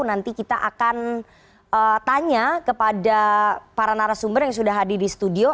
nanti kita akan tanya kepada para narasumber yang sudah hadir di studio